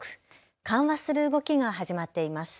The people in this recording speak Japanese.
緩和する動きが始まっています。